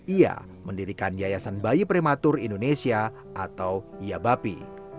ia mendirikan yayasan bayi prematur indonesia atau iabapi